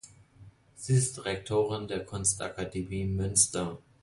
Sie ist Rektorin der Kunstakademie Münster.